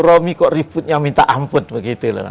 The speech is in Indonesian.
romi kok ributnya minta ampun begitu loh